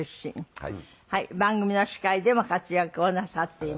番組の司会でも活躍をなさっています。